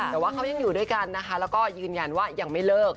แต่ว่าเขายังอยู่ด้วยกันนะคะแล้วก็ยืนยันว่ายังไม่เลิก